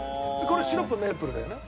これシロップメイプルだよね？